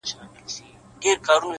پرېږده دا زخم زړه ـ پاچا وویني’